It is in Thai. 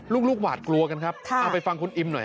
ลูกหวาดกลัวกันครับเอาไปฟังคุณอิมหน่อย